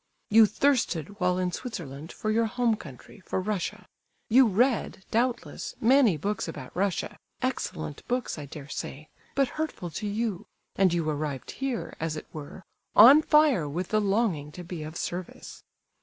You thirsted, while in Switzerland, for your home country, for Russia; you read, doubtless, many books about Russia, excellent books, I dare say, but hurtful to you; and you arrived here; as it were, on fire with the longing to be of service.